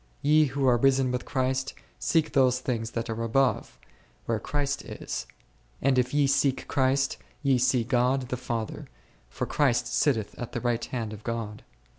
Ye who are risen with Christ, seek those things that are above, where Christ is; and if ye seek Christ, ye see God the Father, for Christ sitteth on the right hand of God.